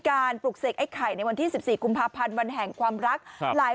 ปลุกเสกไอ้ไข่ในวันที่๑๔กุมภาพันธ์วันแห่งความรัก